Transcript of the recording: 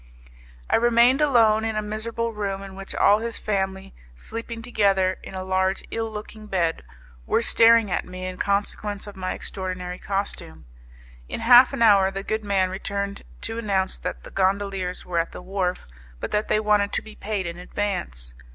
I remained alone in a miserable room in which all his family, sleeping together in a large, ill looking bed, were staring at me in consequence of my extraordinary costume. In half an hour the good man returned to announce that the gondoliers were at the wharf, but that they wanted to be paid in advance.